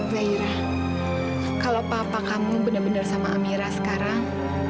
kalau papa kamu benar benar sama amira sekarang